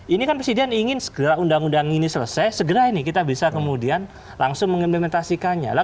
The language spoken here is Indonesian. ini kan presiden ingin segera undang undang ini selesai segera ini kita bisa kemudian langsung mengimplementasikannya